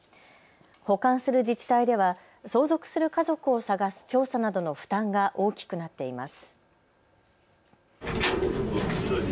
保管する自治体では相続する家族を探す調査などの負担が大きくなっています。